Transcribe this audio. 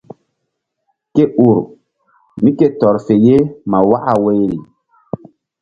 Ke ur mí ke tɔr fe ye ma waka woyri.